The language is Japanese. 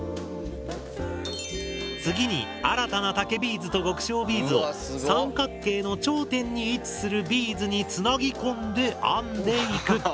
次に新たな竹ビーズと極小ビーズを三角形の頂点に位置するビーズにつなぎこんで編んでいく。